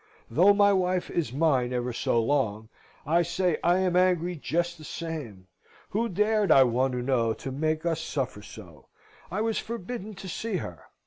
Though my wife is mine ever so long, I say I am angry just the same. Who dared, I want to know, to make us suffer so? I was forbidden to see her.